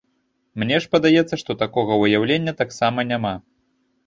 Мне ж падаецца, што такога ўяўлення таксама няма.